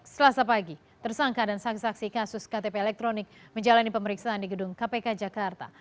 selasa pagi tersangka dan saksi saksi kasus ktp elektronik menjalani pemeriksaan di gedung kpk jakarta